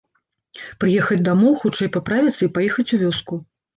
Прыехаць дамоў, хутчэй паправіцца і паехаць у вёску.